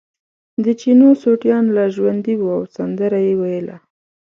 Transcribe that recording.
د چینو سوټیان لا ژوندي وو او سندره یې ویله.